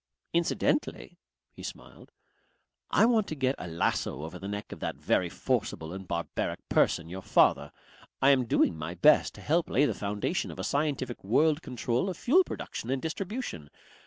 "Incidentally," he smiled, "I want to get a lasso over the neck of that very forcible and barbaric person, your father. I am doing my best to help lay the foundation of a scientific world control of fuel production and distribution.